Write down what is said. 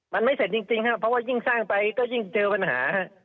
มันไม่เสร็จจริงครับเพราะว่ายิ่งสร้างไปก็ยิ่งเจอปัญหา